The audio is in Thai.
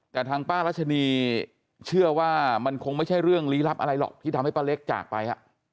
แต่ทางป้ารัชนีเชื่อว่ามันคงไม่ใช่เรื่องลี้ลับอะไรหรอกที่ทำให้ป้าเล็กจากไป